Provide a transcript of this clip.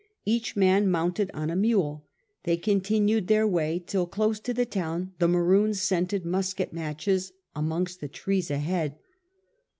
Each man mounted on a mule, they continued their way, till close to the town the Maroons scented musket matches amongst the trees ahead.